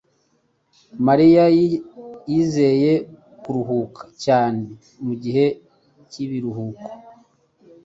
Mariya yizeye kuruhuka cyane mugihe cyibiruhuko.